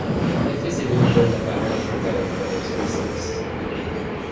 En effet ces deux modèles d'appareils étaient alors en voie d'obsolescence.